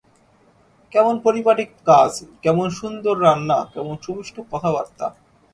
কেমন পরিপাটি কাজ, কেমন সুন্দর রান্না, কেমন সুমিষ্ট কথাবার্তা।